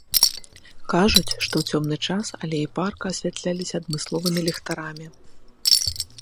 Кажуць, што ў цёмны час алеі парка асвятляліся адмысловымі ліхтарамі.